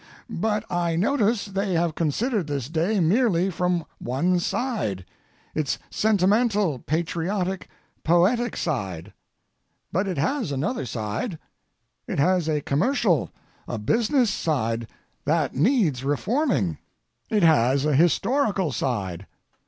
But I notice they have considered this day merely from one side—its sentimental, patriotic, poetic side. But it has another side. It has a commercial, a business side that needs reforming. It has a historical side.